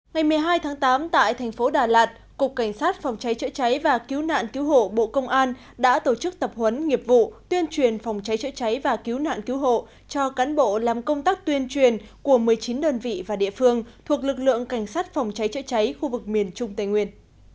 ngày một mươi hai tháng tám tại thành phố đà lạt cục cảnh sát phòng cháy chữa cháy và cứu nạn cứu hộ bộ công an đã tổ chức tập huấn nghiệp vụ tuyên truyền phòng cháy chữa cháy và cứu nạn cứu hộ cho cán bộ làm công tác tuyên truyền của một mươi chín đơn vị và địa phương thuộc lực lượng cảnh sát phòng cháy chữa cháy khu vực miền trung tây nguyên